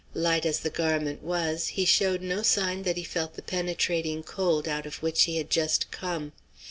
Light as the garment was, he showed no sign that he felt the penetrating cold out of which he had just come.